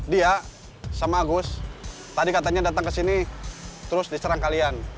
dia sama agus tadi katanya datang ke sini terus diserang kalian